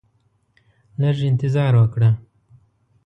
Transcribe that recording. لږ انتظار وکړه